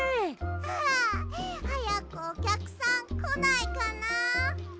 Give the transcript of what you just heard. ああはやくおきゃくさんこないかな？